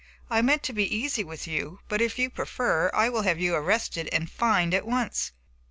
I meant to be easy with you, but, if you prefer, I will have you arrested and fined at once."